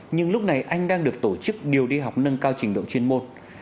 nhưng lúc này anh đang được tổ chức điều đi học nâng cao trình độ chuyên môn